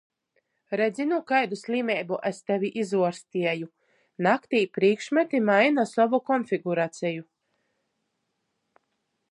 Redzi nu kaidu slimeibu es tevi izuorstieju?! Naktī prīkšmati maina sovu konfiguraceji.